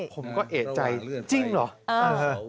ผมก็เอกใจจริงเหรอ